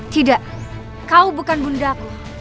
tidak kau bukan bunda aku